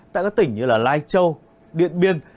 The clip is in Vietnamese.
tại các tỉnh như lai châu điện biên